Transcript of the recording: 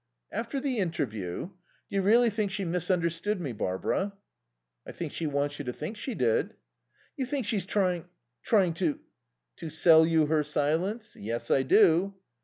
"After the interview? Do you really think she misunderstood me, Barbara?" "I think she wants you to think she did." "You think she's trying trying to " "To sell you her silence? Yes, I do."